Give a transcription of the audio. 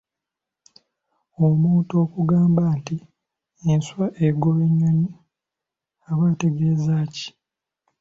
Omuntu okugamba nti enswa egoba ennyonyi aba ategezaaki?